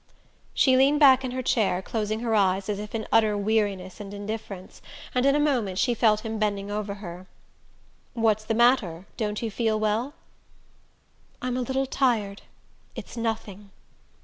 She leaned back in her chair, closing her eyes as if in utter weariness and indifference, and in a moment she felt him bending over her. "What's the matter? Don't you feel well?" "I'm a little tired. It's nothing."